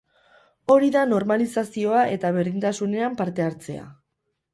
Hori da normalizazioa eta berdintasunean parte hartzea.